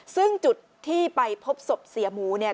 ซึ่งจุดที่ไปพบศพเสียหมูเนี่ย